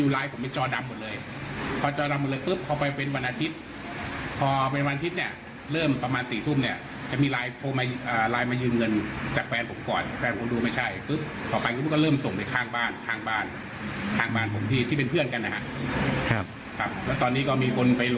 และตอนนี้ก็มีคนไปหลงโอนให้